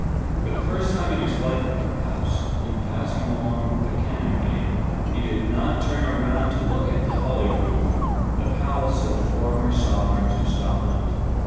For the first time in his life, perhaps, in passing along the Canongate, he did not turn to look at Holyrood, the palace of the former sovereigns of Scotland.